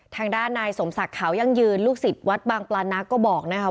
ทางด้านนายสมศักดิ์ขาวยั่งยืนลูกศิษย์วัดบางปลานักก็บอกนะคะ